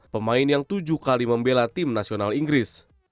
pemain yang tujuh kali membela tim nasional inggris